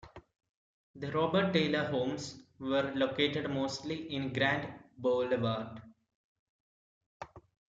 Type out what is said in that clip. The Robert Taylor Homes were located mostly in Grand Boulevard.